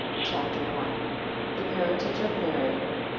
CHAPTER I. 1 The Parentage of Mary.